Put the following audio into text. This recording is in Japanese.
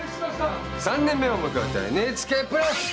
３年目を迎えたＮＨＫプラス！